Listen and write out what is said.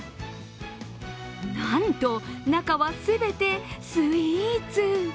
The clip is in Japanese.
なんと、中は全てスイーツ。